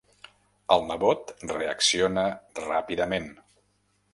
El nebot reacciona ràpidament.